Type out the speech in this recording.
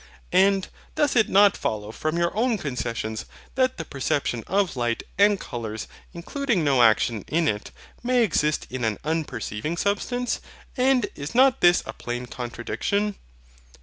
And, doth it not follow from your own concessions, that the perception of light and colours, including no action in it, may exist in an unperceiving substance? And is not this a plain contradiction?